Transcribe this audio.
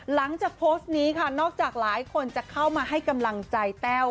หลังจากโพสต์นี้ค่ะนอกจากหลายคนจะเข้ามาให้กำลังใจแต้ว